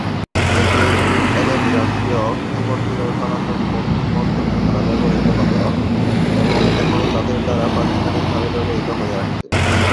এটি আলেক্সান্দ্রীয় কিবতীয় সনাতনপন্থী মণ্ডলী দ্বারা ব্যবহৃত হতো এবং এখনো তাদের দ্বারা প্রাতিষ্ঠানিকভাবে ব্যবহৃত হয়ে আসছে।